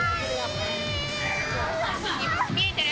見えてる？